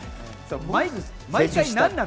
毎回、何なの？